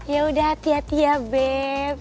yaudah hati hati ya beb